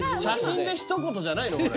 「写真でひと言」じゃないの？